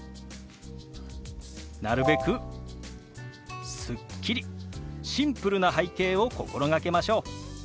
なるべくスッキリシンプルな背景を心がけましょう。